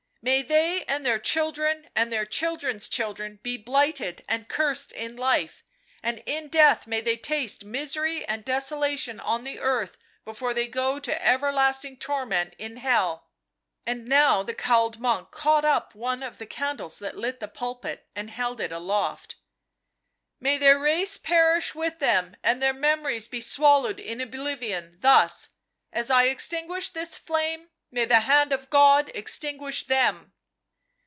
May they and their children and their children's children be blighted and cursed in life and in death, may they taste misery and desolation on the earth before they go to ever lasting' torment in hell !" And now the cowled monk caught up one of the candles that lit the pulpit, and held it aloft. " May their race perish with them and their memo ries be swallowed in oblivion — thus ! As I extinguish this flame may the hand of God extinguish them